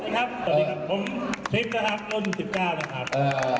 สวัสดีครับผมฮลิปนะครับนุ่น๑๙นะครับ